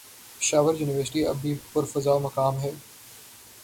Peshawar university اب بھی پرفضامقام ہے